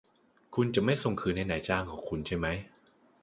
คุณจะไม่ส่งคืนให้นายจ้างของคุณใช่ไหม